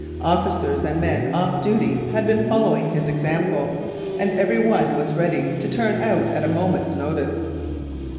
Officers and men off duty had been following his example; and every one was ready to turn out at a moment's notice.